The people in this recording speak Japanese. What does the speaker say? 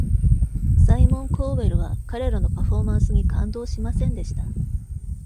サイモン・コーウェルは、彼らのパフォーマンスに感動しませんでした。